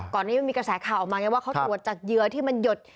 นี้มันมีกระแสข่าวออกมาไงว่าเขาตรวจจากเหยื่อที่มันหยด